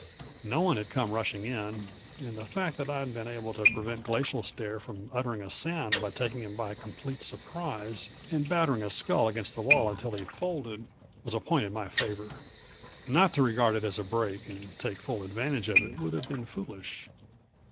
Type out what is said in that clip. No one had come rushing in, and the fact that I'd been able to prevent Glacial Stare from uttering a sound by taking him by complete surprise and battering his skull against the wall until he folded was a point in my favor. Not to regard it as a break and take full advantage of it would have been foolish.